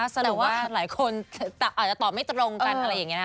แสดงว่าหลายคนอาจจะตอบไม่ตรงกันอะไรอย่างนี้นะ